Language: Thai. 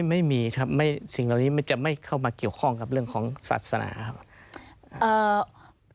ไม่มีครับสิ่งเหล่านี้มันจะไม่เข้ามาเกี่ยวข้องกับเรื่องของศาสนาครับ